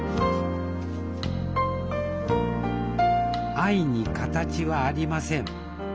愛に形はありません。